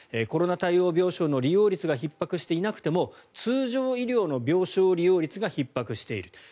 コロナ対応病床の利用率がひっ迫していなくても通常医療の病床利用率がひっ迫している。